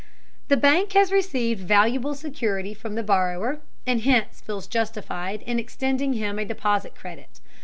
The bank has received valuable security from the borrower and hence feels justified in extending him a deposit credit.